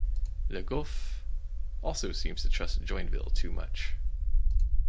Le Goff also seems to trust Joinville too much.